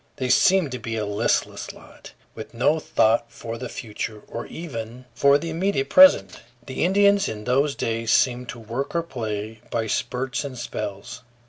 They seemed to be a listless lot, with no thought for the future, or even for the immediate present. The Indians in those days seemed to work or play by spurts and spells.